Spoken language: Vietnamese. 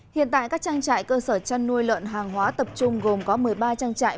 hiện tại các trang trại cơ sở chăn nuôi lợn hàng hóa tập trung gồm có một mươi ba trang trại